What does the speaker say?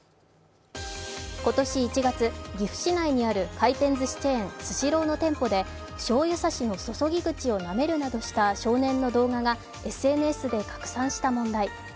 今年１月、岐阜市内にある回転ずしチェーンスシローの店舗でしょうゆ差しの注ぎ口をなめるなどした少年の動画がＳＮＳで拡散した問題。